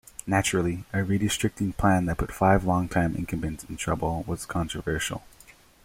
Naturally, a redistricting plan that put five long-time incumbents in trouble was controversial.